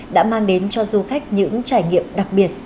đã mang đến cho du khách những trải nghiệm đặc biệt